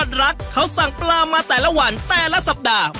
ว่าเชฟยอดรักเขาสั่งปลามาแต่ละหวันแต่ละสัปดาห์